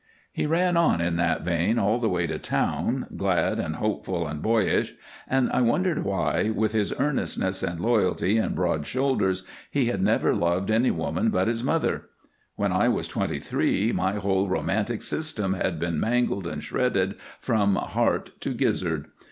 He ran on in that vein all the way to town, glad and hopeful and boyish and I wondered why, with his earnestness and loyalty and broad shoulders, he had never loved any woman but his mother. When I was twenty three my whole romantic system had been mangled and shredded from heart to gizzard.